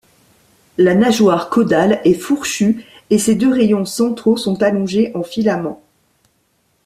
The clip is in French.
La nageoire caudale est fourchue, et ses deux rayons centraux sont allongés en filament.